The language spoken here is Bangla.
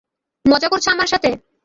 মজা করছো আমার সাথে।